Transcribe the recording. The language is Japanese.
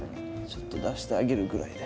ちょっと出してあげるぐらいで。